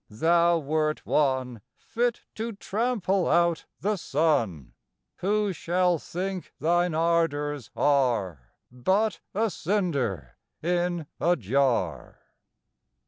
Thou wert one Fit to trample out the sun: Who shall think thine ardors are But a cinder in a jar?